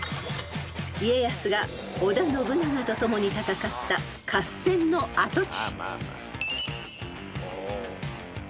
［家康が織田信長と共に戦った合戦の跡地］